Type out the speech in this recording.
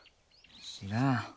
知らん。